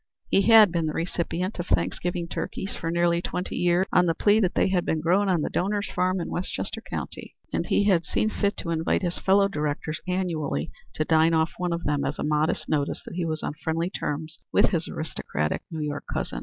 He had been the recipient of Thanksgiving turkeys for nearly twenty years on the plea that they had been grown on the donor's farm in Westchester county, and he had seen fit to invite his fellow directors annually to dine off one of them as a modest notice that he was on friendly terms with his aristocratic New York cousin.